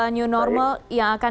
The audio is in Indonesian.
new normal yang akan